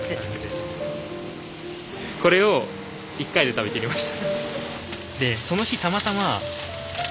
これを１回で食べきりました。